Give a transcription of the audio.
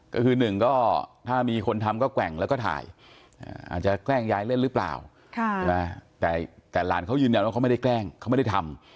ก็คือหนึ่งก็ถ้ามีคนทำก็แกว่งแล้วก็ถ่ายอาจจะแกล้งยายเล่นหรือเปล่าแต่หลานเขายืนยันว่าเขาไม่ได้แกล้งเขาไม่ได้ทำ